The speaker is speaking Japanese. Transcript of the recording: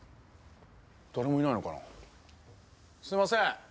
誰もいないのかなすいません